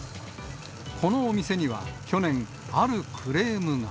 このお店には去年、あるクレームが。